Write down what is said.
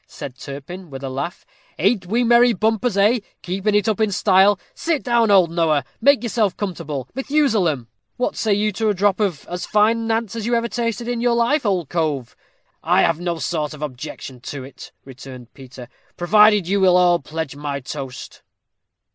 said Turpin, with a laugh. "Ain't we merry mumpers, eh? Keeping it up in style. Sit down, old Noah make yourself comfortable, Methusalem." "What say you to a drop of as fine Nantz as you ever tasted in your life, old cove?" said Zoroaster. "I have no sort of objection to it," returned Peter, "provided you will all pledge my toast."